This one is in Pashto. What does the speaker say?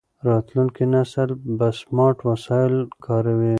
راتلونکی نسل به سمارټ وسایل کاروي.